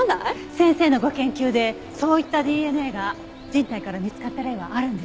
先生のご研究でそういったＤＮＡが人体から見つかった例はあるんでしょうか？